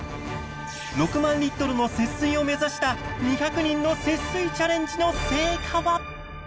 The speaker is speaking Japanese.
６万リットルの節水を目指した２００人の節水チャレンジの成果は。